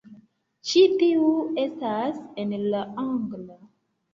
Ĉi tiu estas en la angla